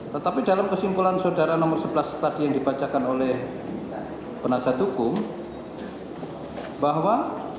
tetapi dalam kesimpulan saudara nomor sebelas tadi yang dibacakan oleh penasihat hukum bahwa